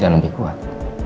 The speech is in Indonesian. jangan lebih kuat